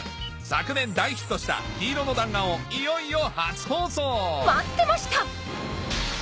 昨年大ヒットした『緋色の弾丸』をいよいよ初放送待ってました！